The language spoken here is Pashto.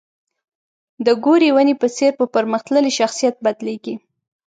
د ګورې ونې په څېر په پرمختللي شخصیت بدلېږي.